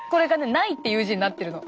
「無い」っていう字になってるの。